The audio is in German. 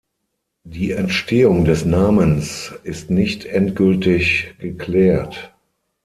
Die Entstehung des Namens ist nicht endgültig geklärt.